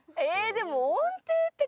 でも。